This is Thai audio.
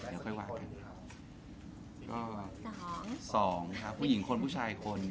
แล้วค่อยวาดกันครับสองผู้หญิงคนผู้ชายคน